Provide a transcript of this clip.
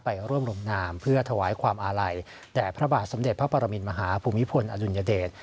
ไปร่วมลงนามเพื่อถวายความอาลัยแด่พระบาทสมเด็จพระปรมินมหาภูมิพลอดุลยเดช